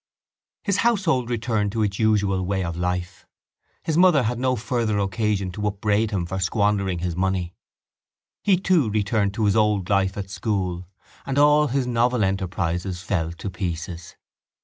His household returned to its usual way of life. His mother had no further occasion to upbraid him for squandering his money. He, too, returned to his old life at school and all his novel enterprises fell to pieces.